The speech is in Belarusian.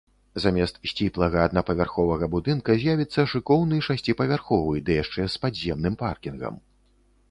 Замест сціплага аднапавярховага будынка з'явіцца шыкоўны шасціпавярховы, ды яшчэ з падземным паркінгам.